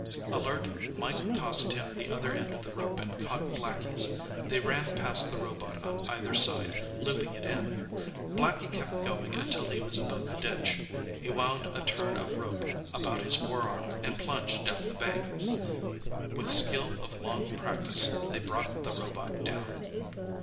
Alert, Mike tossed him the other end of the rope and caught Blackie's. They ran past the robot on either side, looping it in. Blackie kept going until he was above the ditch. He wound a turn of rope about his forearm and plunged down the bank. [Illustration: _With skill of long practice, they brought the robot down.